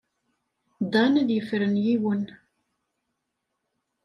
Dan ad yefren yiwen.